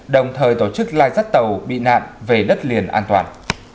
đồng thời tổ chức lai rắt tàu bị nạn về đất liền an toàn